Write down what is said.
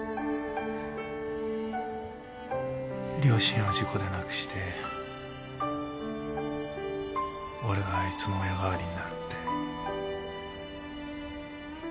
両親を事故で亡くして俺があいつの親代わりになるって。